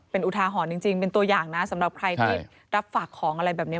เป็นอุทาหรณ์จริงเป็นตัวอย่างนะสำหรับใครที่รับฝากของอะไรแบบนี้